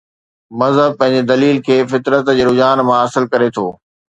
مذهب پنهنجي دليل کي فطرت جي رجحان مان حاصل ڪري ٿو.